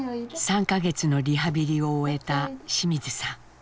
３か月のリハビリを終えた清水さん。